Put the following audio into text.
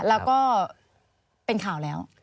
แล้วก็เป็นข่าวแล้ว